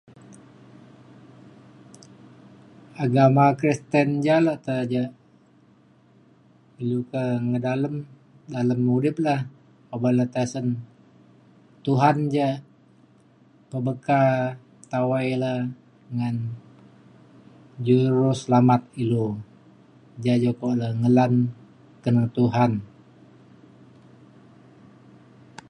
agama Kristen ja le te ja ilu ke ngedalem dalem udip le uban le tisen Tuhan ja pebekal tawai le ngan juruselamat ilu ja ja pengelan keneng Tuhan.